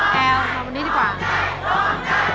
โรงใจโรงใจโรงใจ